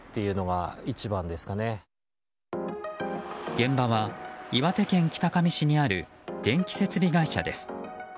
現場は岩手県北上市にある電気設備会社です。